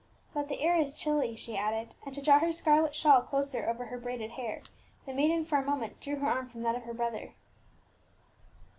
But the air is chilly," she added, and, to draw her scarlet shawl closer over her braided hair, the maiden for a moment drew her arm from that of her brother.